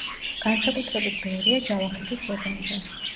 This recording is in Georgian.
განსაკუთრებით ბევრია ჯავახეთის ზეგანზე.